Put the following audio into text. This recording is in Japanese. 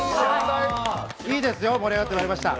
いいですよ、盛り上がってまいりました。